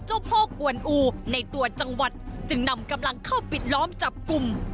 โพกกวนอูในตัวจังหวัดจึงนำกำลังเข้าปิดล้อมจับกลุ่ม